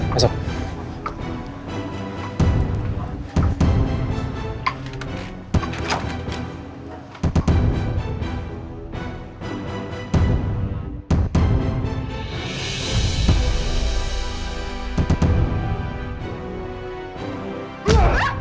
kita turun sekarang